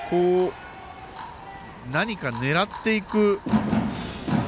何か狙っていく。